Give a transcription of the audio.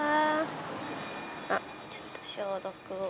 あっちょっと消毒を。